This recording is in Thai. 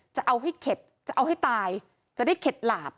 จะเอาให้เข็ดจะเอาให้ตายจะได้เข็ดหลาบ